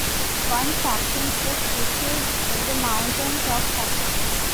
One faction took refuge in the mountains of Sahel.